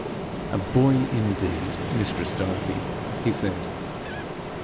'A boy, indeed, mistress Dorothy!' he said.